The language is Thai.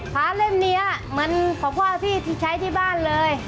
เล่มนี้เหมือนของพ่อพี่ที่ใช้ที่บ้านเลย